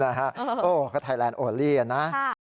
นะฮะก็ไทยแลนด์โอลี่อ่ะนะ